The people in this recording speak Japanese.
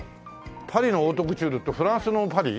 「パリのオートクチュール」ってフランスのパリ？